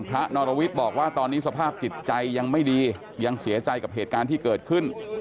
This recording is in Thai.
นรวิทย์บอกว่าตอนนี้สภาพจิตใจยังไม่ดียังเสียใจกับเหตุการณ์ที่เกิดขึ้น